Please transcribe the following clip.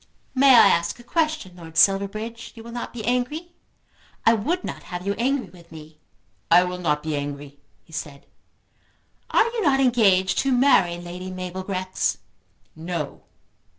"May I ask a question, Lord Silverbridge? You will not be angry? I would not have you angry with me." "I will not be angry," he said. "Are you not engaged to marry Lady Mabel Grex?" "No."